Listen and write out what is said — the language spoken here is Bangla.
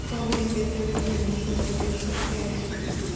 সন্দীপের চরিত্র নেই, সন্দীপের শক্তি আছে।